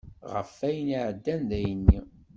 Ɣef ayen iɛeddan dayenni.